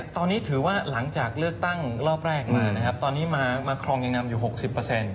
ตอนนี้ถือว่าหลังจากเลือกตั้งรอบแรกมานะครับตอนนี้มามาครองยังนำอยู่หกสิบเปอร์เซ็นต์